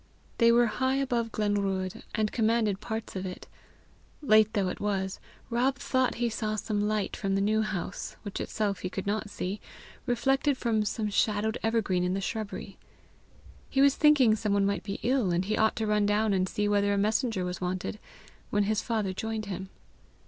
They were high above Glenruadh, and commanded parts of it: late though it was, Rob thought he saw some light from the New House, which itself he could not see, reflected from some shadowed evergreen in the shrubbery. He was thinking some one might be ill, and he ought to run down and See whether a messenger was wanted, when his father joined him.